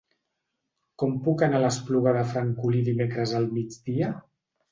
Com puc anar a l'Espluga de Francolí dimecres al migdia?